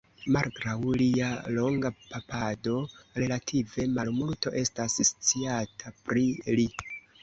Malgraŭ lia longa papado relative malmulto estas sciata pri li.